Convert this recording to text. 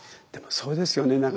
でもそうですよね。